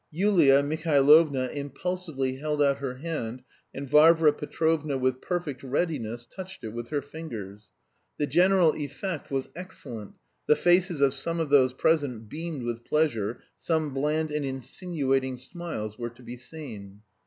Yulia Mihailovna impulsively held out her hand and Varvara Petrovna with perfect readiness touched it with her fingers. The general effect was excellent, the faces of some of those present beamed with pleasure, some bland and insinuating smiles were to be seen.